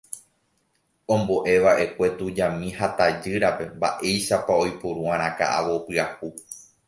Ombo'eva'ekue tujami ha tajýrape mba'éichapa oipuru'arã ka'avo pyahu.